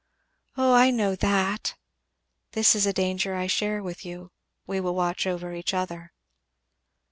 "Oh I know that!" "This is a danger I share with you. We will watch over each other."